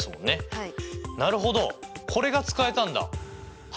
はい。